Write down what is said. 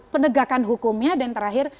penegakan hukumnya dan terakhir